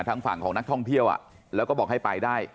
ทางฝั่งของนักท่องเที่ยวแล้วก็บอกให้ไปได้